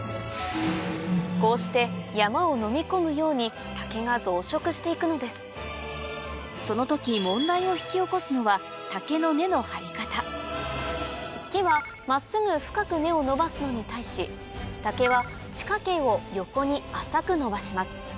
こうして山を飲み込むように竹が増殖していくのですその時問題を引き起こすのは木は真っすぐ深く根を伸ばすのに対し竹は地下茎を横に浅く伸ばします